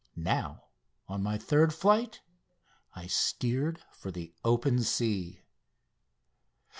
Now, on my third flight, I steered for the open sea.